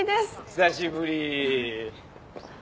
久しぶり。